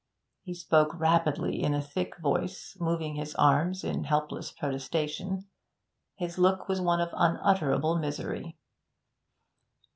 He spoke rapidly, in a thick voice, moving his arms in helpless protestation. His look was one of unutterable misery.